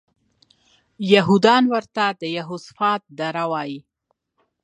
یهودان ورته د یهوسفات دره وایي.